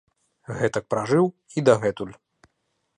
Гэтак пражыў і дагэтуль.